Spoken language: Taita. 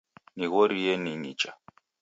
Nighorie ning'icha